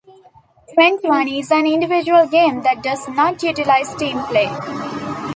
Twenty-one is an individual game that does not utilize team play.